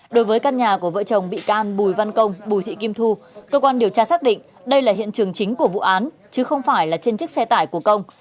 đối với căn nhà của vợ chồng bị can bùi văn công bùi thị kim thu cơ quan điều tra xác định đây là hiện trường chính của vụ án chứ không phải là trên chiếc xe tải của công